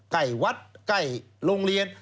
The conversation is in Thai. ใกล้วัดใกล้โรงเรียน